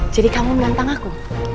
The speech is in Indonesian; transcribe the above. jadi kamu menantang aku